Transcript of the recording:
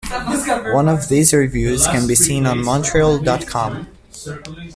One of those reviews can be seen on Montreal dot com.